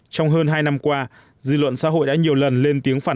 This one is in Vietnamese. trong hơn hai năm qua dư luận xã hội đã nhiều lần lên tiếng phản